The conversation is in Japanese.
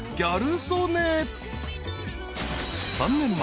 ［３年前。